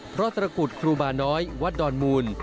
เพราะตระกุฎครูบาน้อยวัดดอนมูล